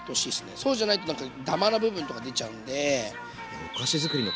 そうじゃないとダマな部分とか出ちゃうんで。